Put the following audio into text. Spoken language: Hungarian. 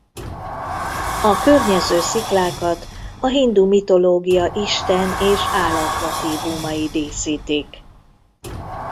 A környező sziklákat a hindu mitológia isten és állat motívumai díszítik.